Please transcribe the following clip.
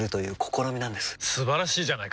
素晴らしいじゃないか！